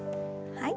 はい。